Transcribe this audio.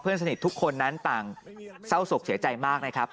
สนิททุกคนนั้นต่างเศร้าศกเสียใจมากนะครับ